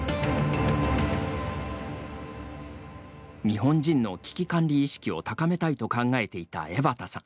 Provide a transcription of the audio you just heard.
日本人の危機管理意識を高めたいと考えていた江端さん。